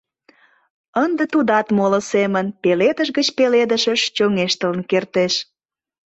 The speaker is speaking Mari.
Ынде тудат моло семын пеледыш гыч пеледышыш чоҥештылын кертеш.